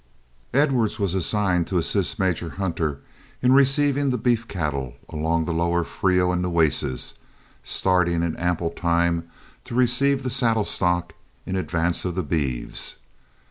Edwards was assigned to assist Major Hunter in receiving the beef cattle along the lower Frio and Nueces, starting in ample time to receive the saddle stock in advance of the beeves.